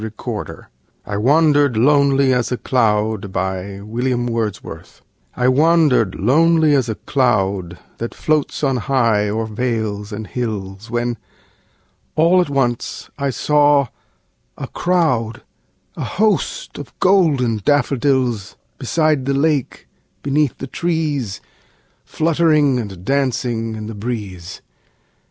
William Wordsworth I Wandered Lonely As a Cloud I WANDERED lonely as a cloud That floats on high o'er vales and hills, When all at once I saw a crowd, A host, of golden daffodils; Beside the lake, beneath the trees, Fluttering and dancing in the breeze.